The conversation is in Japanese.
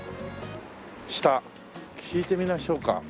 下聞いてみましょうか。